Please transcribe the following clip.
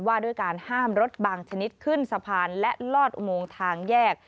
ว่าด้วยการห้ามรถบางชนิดขึ้นสะพานและลอดอุโมงทางแยก